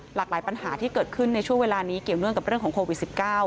หลากหลายปัญหาที่เกิดขึ้นในช่วงเวลานี้เกี่ยวเนื่องกับเรื่องของโควิด๑๙